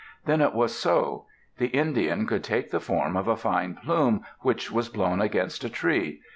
Then it was so. The Indian could take the form of a fine plume, which was blown against a tree.